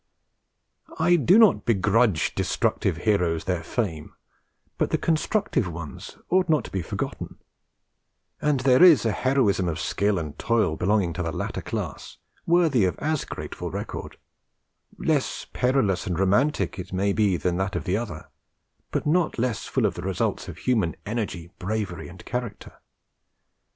I do not begrudge destructive heroes their fame, but the constructive ones ought not to be forgotten; and there IS a heroism of skill and toil belonging to the latter class, worthy of as grateful record, less perilous and romantic, it may be, than that of the other, but not less full of the results of human energy, bravery, and character.